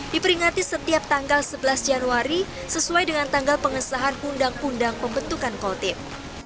diperingati setiap tanggal sebelas januari sesuai dengan tanggal pengesahan undang undang pembentukan koltip